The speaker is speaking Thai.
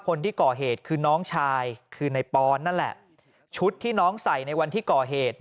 คนที่ก่อเหตุคือน้องชายคือในปอนนั่นแหละชุดที่น้องใส่ในวันที่ก่อเหตุ